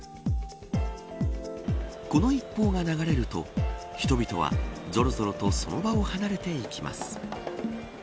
この一報が流れると人々は、ぞろぞろとその場を離れていきます。